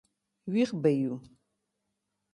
وېښ به یو.